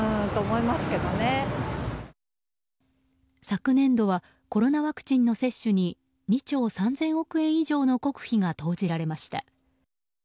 昨年度はコロナワクチンの接種に２兆３０００億円以上の国費が投じられました。